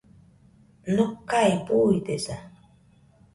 Nokae buidesa